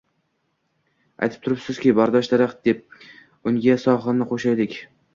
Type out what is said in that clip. — Aytib turibsiz-ku, “Bardosh daraxti” deb. Unga “sohil”ni qo‘shaylik.